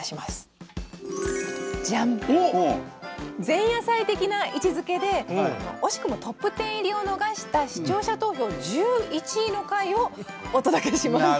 前夜祭的な位置づけで惜しくもトップ１０入りを逃した視聴者投票１１位の回をお届けします。